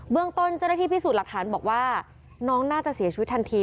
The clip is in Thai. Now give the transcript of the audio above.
เรื่องต้นเจ้าหน้าที่พิสูจน์หลักฐานบอกว่าน้องน่าจะเสียชีวิตทันที